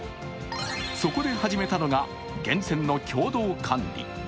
そこで始めたのが源泉の共同管理。